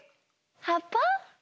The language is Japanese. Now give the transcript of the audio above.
はっぱ？